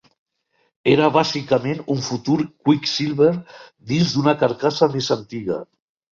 Era bàsicament un futur Quicksilver dins d'una carcassa més antiga.